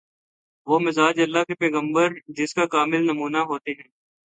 وہ مزاج‘ اللہ کے پیغمبر جس کا کامل نمونہ ہوتے ہیں۔